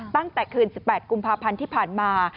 ตั้งแต่คืน๑๘กุมภาพันธ์ที่ผ่านมา